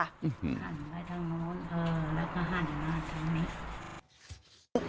หั่นไว้ทางนู้นแล้วก็หั่นมาทางนี้